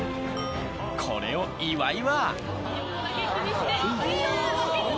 これを岩井は。